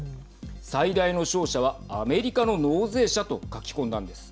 最大の勝者はアメリカの納税者と書き込んだんです。